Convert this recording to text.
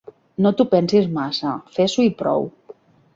No t'ho pensis massa, fes-ho i prou.